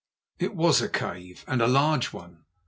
It was a cave, and a large one.